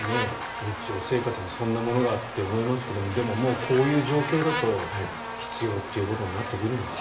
日常生活にそんなものがって思いますけどでも、こういう状況だと必要ということになってくるんですね。